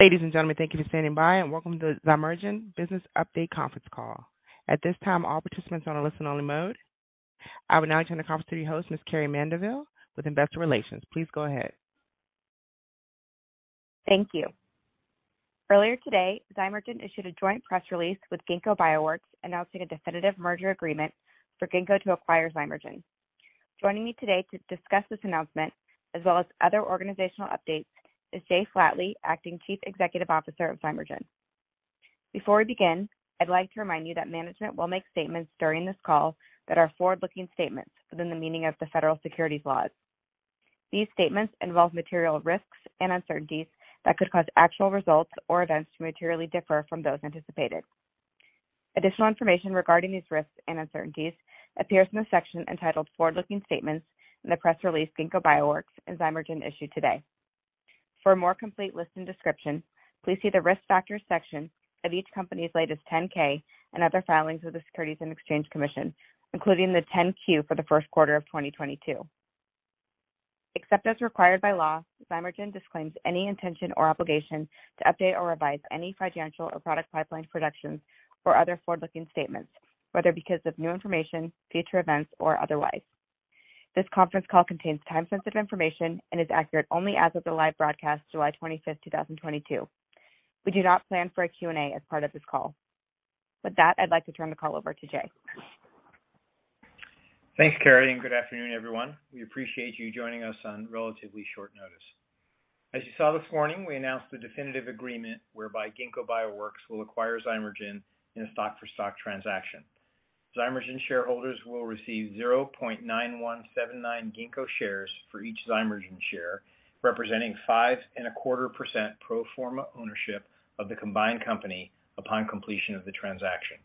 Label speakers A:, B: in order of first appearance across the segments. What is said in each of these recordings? A: Ladies and gentlemen, thank you for standing by, and welcome to the Zymergen business update conference call. At this time, all participants are on a listen only mode. I will now turn the conference to your host, Ms. Carrie Mendivil, with Investor Relations. Please go ahead.
B: Thank you. Earlier today, Zymergen issued a joint press release with Ginkgo Bioworks announcing a definitive merger agreement for Ginkgo to acquire Zymergen. Joining me today to discuss this announcement, as well as other organizational updates, is Jay Flatley, Acting Chief Executive Officer of Zymergen. Before we begin, I'd like to remind you that management will make statements during this call that are forward-looking statements within the meaning of the federal securities laws. These statements involve material risks and uncertainties that could cause actual results or events to materially differ from those anticipated. Additional information regarding these risks and uncertainties appears in the section entitled Forward-Looking Statements in the press release Ginkgo Bioworks and Zymergen issued today. For a more complete list and description, please see the Risk Factors section of each company's latest 10-K and other filings with the Securities and Exchange Commission, including the 10-Q for the first quarter of 2022. Except as required by law, Zymergen disclaims any intention or obligation to update or revise any financial or product pipeline projections or other forward-looking statements, whether because of new information, future events or otherwise. This conference call contains time-sensitive information and is accurate only as of the live broadcast July 25, 2022. We do not plan for a Q&A as part of this call. With that, I'd like to turn the call over to Jay.
C: Thanks, Carrie, and good afternoon, everyone. We appreciate you joining us on relatively short notice. As you saw this morning, we announced the definitive agreement whereby Ginkgo Bioworks will acquire Zymergen in a stock for stock transaction. Zymergen shareholders will receive 0.9179 Ginkgo shares for each Zymergen share, representing 5.25% pro forma ownership of the combined company upon completion of the transaction.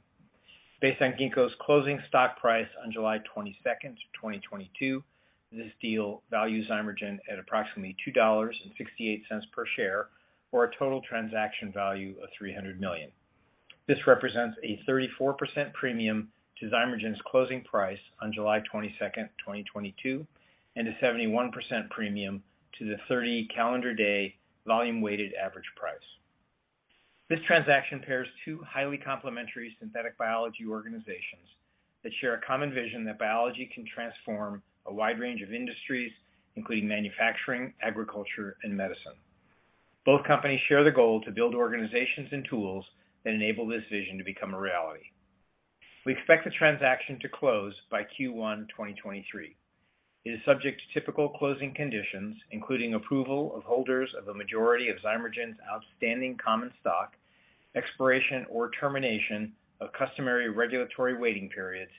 C: Based on Ginkgo's closing stock price on July 22, 2022, this deal values Zymergen at approximately $2.68 per share or a total transaction value of $300 million. This represents a 34% premium to Zymergen's closing price on July 22, 2022, and a 71% premium to the 30 calendar day volume weighted average price. This transaction pairs two highly complementary synthetic biology organizations that share a common vision that biology can transform a wide range of industries, including manufacturing, agriculture, and medicine. Both companies share the goal to build organizations and tools that enable this vision to become a reality. We expect the transaction to close by Q1 2023. It is subject to typical closing conditions, including approval of holders of the majority of Zymergen's outstanding common stock, expiration or termination of customary regulatory waiting periods,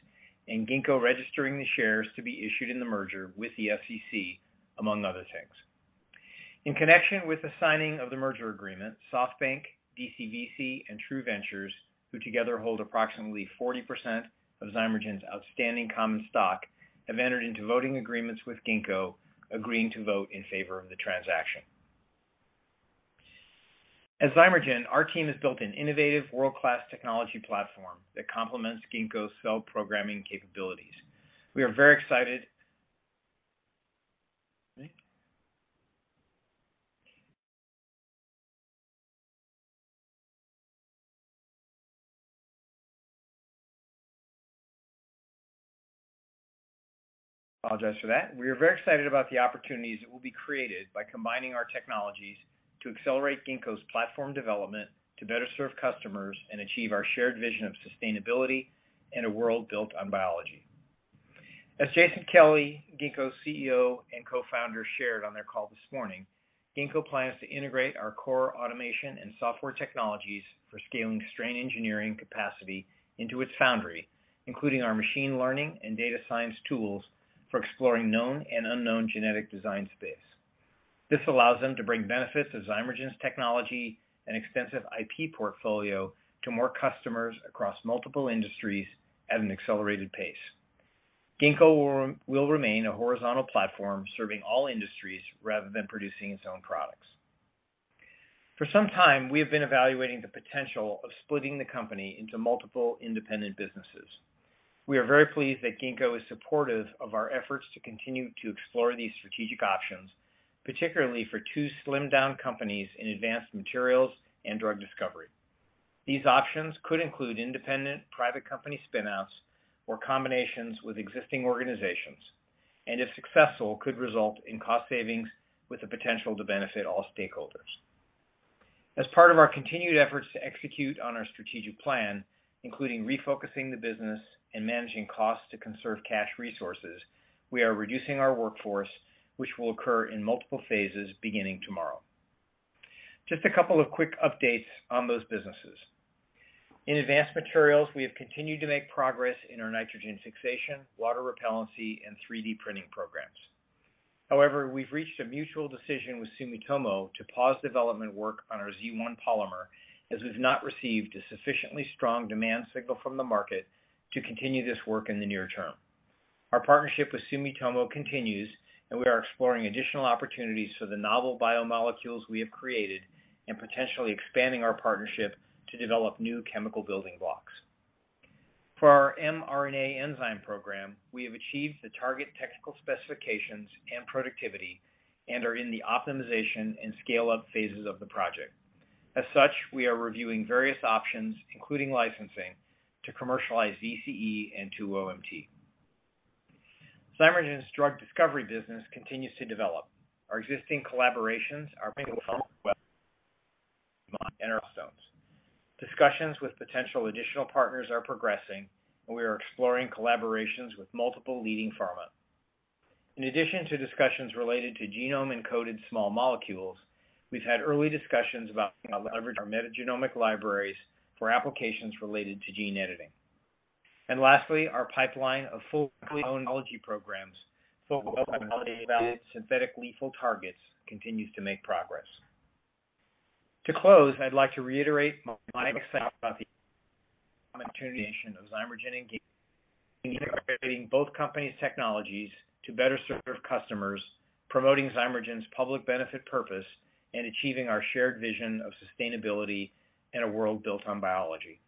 C: and Ginkgo registering the shares to be issued in the merger with the SEC, among other things. In connection with the signing of the merger agreement, SoftBank, DCVC and True Ventures, who together hold approximately 40% of Zymergen's outstanding common stock, have entered into voting agreements with Ginkgo, agreeing to vote in favor of the transaction. At Zymergen, our team has built an innovative world-class technology platform that complements Ginkgo's cell programming capabilities. We are very excited about the opportunities that will be created by combining our technologies to accelerate Ginkgo's platform development to better serve customers and achieve our shared vision of sustainability and a world built on biology. As Jason Kelly, Ginkgo's CEO and Co-founder, shared on their call this morning, Ginkgo plans to integrate our core automation and software technologies for scaling strain engineering capacity into its foundry, including our machine learning and data science tools for exploring known and unknown genetic design space. This allows them to bring benefits of Zymergen's technology and extensive IP portfolio to more customers across multiple industries at an accelerated pace. Ginkgo will remain a horizontal platform serving all industries rather than producing its own products. For some time, we have been evaluating the potential of splitting the company into multiple independent businesses. We are very pleased that Ginkgo is supportive of our efforts to continue to explore these strategic options, particularly for two slimmed down companies in advanced materials and drug discovery. These options could include independent private company spin-outs or combinations with existing organizations, and if successful, could result in cost savings with the potential to benefit all stakeholders. As part of our continued efforts to execute on our strategic plan, including refocusing the business and managing costs to conserve cash resources, we are reducing our workforce, which will occur in multiple phases beginning tomorrow. Just a couple of quick updates on those businesses. In advanced materials, we have continued to make progress in our nitrogen fixation, water repellency, and 3D printing programs. However, we've reached a mutual decision with Sumitomo to pause development work on our Z1 polymer as we've not received a sufficiently strong demand signal from the market to continue this work in the near term. Our partnership with Sumitomo continues, and we are exploring additional opportunities for the novel biomolecules we have created and potentially expanding our partnership to develop new chemical building blocks. For our mRNA enzyme program, we have achieved the target technical specifications and productivity and are in the optimization and scale-up phases of the project. As such, we are reviewing various options, including licensing, to commercialize ZCE and 2'-OMT. Zymergen's drug discovery business continues to develop. Our existing collaborations are milestones. Discussions with potential additional partners are progressing, and we are exploring collaborations with multiple leading pharma. In addition to discussions related to genetically encoded small molecules, we've had early discussions about how to leverage our metagenomic libraries for applications related to gene editing. Lastly, our pipeline of full programs for synthetic lethal targets continues to make progress. To close, I'd like to reiterate my excitement about the merger of Zymergen and Ginkgo, integrating both companies' technologies to better serve customers, promoting Zymergen's public benefit purpose, and achieving our shared vision of sustainability in a world built on biology.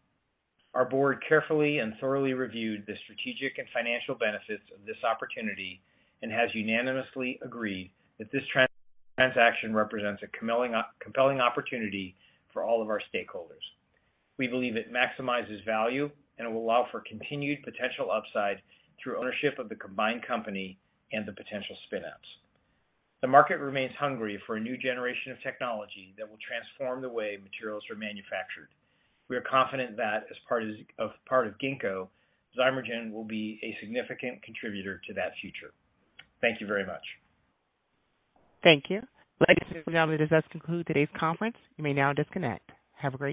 C: Our board carefully and thoroughly reviewed the strategic and financial benefits of this opportunity and has unanimously agreed that this transaction represents a compelling opportunity for all of our stakeholders. We believe it maximizes value and will allow for continued potential upside through ownership of the combined company and the potential spin-outs. The market remains hungry for a new generation of technology that will transform the way materials are manufactured. We are confident that as part of Ginkgo, Zymergen will be a significant contributor to that future. Thank you very much.
A: Thank you. Ladies and gentlemen, this does conclude today's conference. You may now disconnect. Have a great day.